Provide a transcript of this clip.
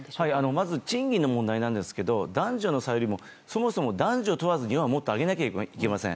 まず賃金の問題ですが男女の差よりもそもそも男女問わず今もっと上げなければいけません。